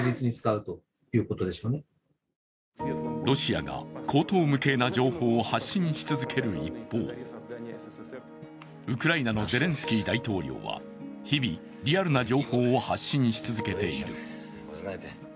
ロシアが荒唐無稽な情報を発信し続ける一方、ウクライナのゼレンスキー大統領は日々、リアルな情報を発信し続けている。